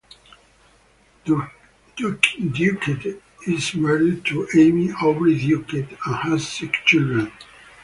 Duquette is married to Amy Aubry-Duquette and has six children.